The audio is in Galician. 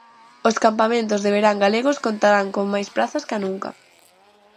Os campamentos de verán galegos contarán con máis prazas ca nunca.